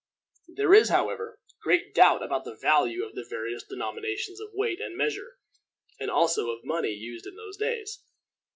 There is, however, great doubt about the value of the various denominations of weight and measure, and also of money used in those days.